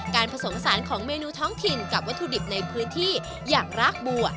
ผสมสารของเมนูท้องถิ่นกับวัตถุดิบในพื้นที่อย่างรากบัว